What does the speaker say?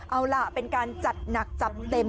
เอาล่ะเป็นการจัดหนักจัดเต็ม